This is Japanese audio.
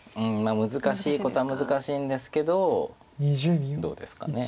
難しいことは難しいんですけどどうですかね。